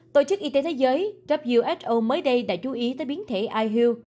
tổ chức y tế thế giới who mới đây đã chú ý tới biến thể ihu